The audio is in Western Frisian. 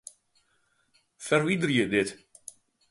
Ferwiderje dit.